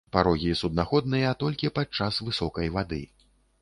Парогі суднаходныя толькі пад час высокай вады.